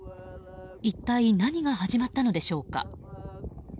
一体、何が始まったのでしょうか。